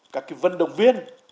các kỳ vận động viên